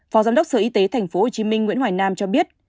phó giám đốc sở y tế tp hcm nguyễn hoài nam cho biết